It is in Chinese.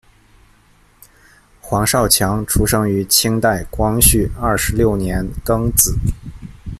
黄少强出生于清代光绪二十六年庚子。